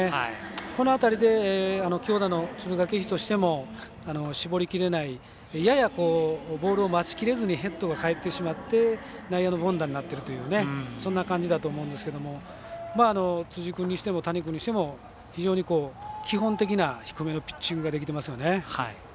この辺りで強打の敦賀気比としても絞りきれないややボールを待ちきれずにヘッドが返ってしまって内野の凡打になっているというそんな感じだと思うんですけども辻君にしても谷君にしても非常に基本的な低めのピッチングができてますよね。